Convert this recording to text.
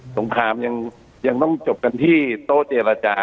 งครามยังต้องจบกันที่โต๊ะเจรจา